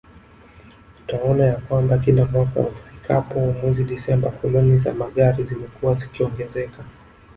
Utaona ya kwamba kila mwaka ufikapo mwezi Desemba foleni za magari zimekuwa zikiongezeka